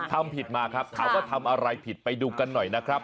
ทำผิดมาครับถามว่าทำอะไรผิดไปดูกันหน่อยนะครับ